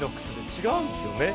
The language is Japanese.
違うんですよね。